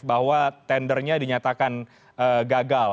bahwa tendernya dinyatakan gagal